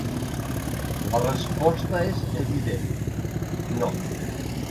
La resposta és evident: no.